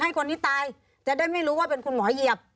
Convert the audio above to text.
ให้คนที่ตายจะได้ไม่รู้ว่าเป็นคุณหมอเหยียบ